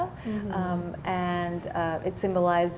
dan itu memimpin